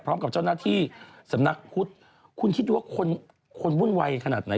พร้อมกับเจ้าหน้าที่สำนักพุทธคุณคิดดูว่าคนคนวุ่นวายขนาดไหน